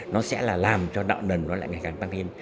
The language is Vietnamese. nó sẽ là làm cho đạo đần nó lại ngày càng tăng thêm